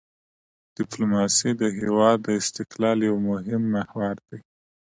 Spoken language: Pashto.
ډیپلوماسي د هېواد د استقلال یو مهم محور دی.